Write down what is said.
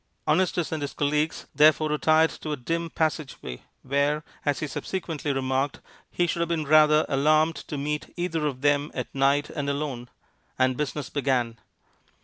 Honestus and his colleagues therefore retired to a dim passage way where, as he subsequently remarked, he should have been rather alarmed to meet either of them at night and alone and business began.